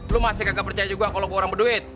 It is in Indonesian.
lu masih kagak percaya juga kalo ke orang berduit